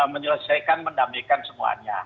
menyelesaikan mendamaikan semuanya